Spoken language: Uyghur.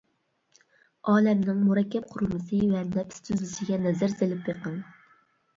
ئالەمنىڭ مۇرەككەپ قۇرۇلمىسى ۋە نەپىس تۈزۈلۈشىگە نەزەر سېلىپ بېقىڭ.